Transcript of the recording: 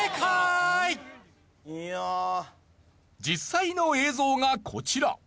実際の映像がこちら。